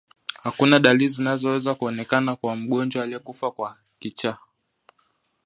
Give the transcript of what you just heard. Hakuna dalili zinazoweza kuonekana kwa mgonjwa aliyekufa kwa kichaa